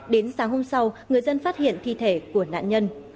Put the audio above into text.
đến sáng hôm sau người dân phát hiện thi thể của nạn nhân